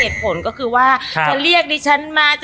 ผลก็คือว่าจะเรียกดิฉันมา